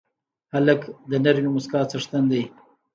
هلک د نرمې موسکا څښتن دی.